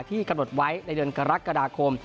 กำหนดไว้ในเดือนกรกฎาคม